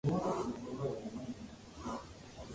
Conversion work was done by Lockheed's Vega company.